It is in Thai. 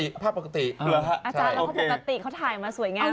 อาจารย์แล้วภาพปกติเขาถ่ายมาสวยงามแล้ว